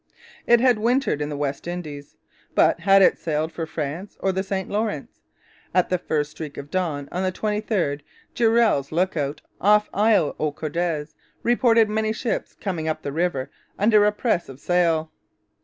It had wintered in the West Indies. But had it sailed for France or the St Lawrence? At the first streak of dawn on the 23rd Durell's look out off Isle aux Coudres reported many ships coming up the river under a press of sail.